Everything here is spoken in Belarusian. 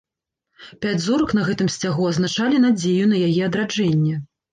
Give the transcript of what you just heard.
Пяць зорак на гэтым сцягу азначалі надзею на яе адраджэнне.